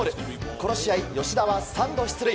この試合、吉田は３度出塁。